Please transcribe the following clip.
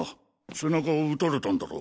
背中を撃たれたんだろ？